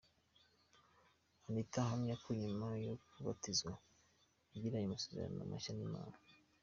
Anita ahamya ko nyuma yo kubatizwa yagiranye amasezerano mashya n’Imana.